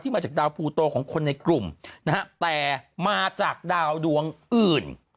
มาจากดาวภูโตของคนในกลุ่มนะฮะแต่มาจากดาวดวงอื่น